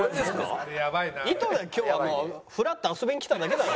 今日はもうふらっと遊びに来ただけだろ？